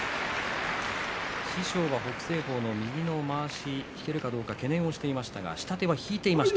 師匠は北青鵬の右のまわしを引けるかどうか懸念をしていましたが下手は引いていました。